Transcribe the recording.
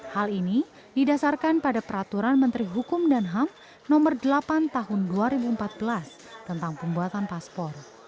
hal ini didasarkan pada peraturan menteri hukum dan ham nomor delapan tahun dua ribu empat belas tentang pembuatan paspor